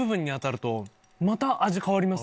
また。